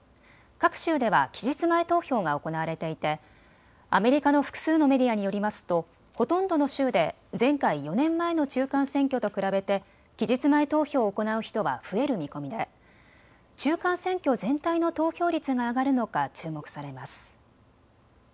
各州では期日前投票が行われていてアメリカの複数のメディアによりますと、ほとんどの州で前回・４年前の中間選挙と比べて期日前投票を行う人は増える見込みで中間選挙全体の投票率が上がるのか注目されます。